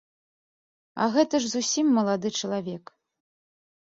А гэта ж зусім малады чалавек.